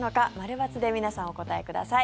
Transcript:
○×で皆さんお答えください。